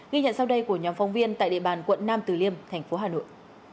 ghi nhận sau đây của nhóm phóng viên tại địa bàn quận nam từ liêm thành phố hà nội